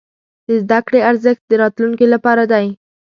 د زده کړې ارزښت د راتلونکي لپاره دی.